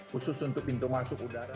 khusus untuk pintu masuk udara